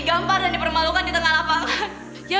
sebenernya lumayan aja